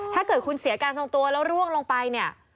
ถ้าเกิดคุณเสียการทรงตัวแล้วร่วงลงไปเนี่ย